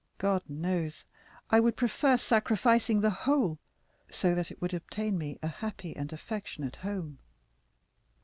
God knows, I would prefer sacrificing the whole, so that it would obtain me a happy and affectionate home."